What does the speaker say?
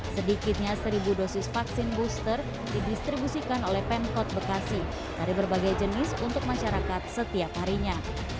sedikitnya seribu dosis vaksin booster didistribusikan oleh pemkot bekasi dari berbagai jenis untuk masyarakat setiap harinya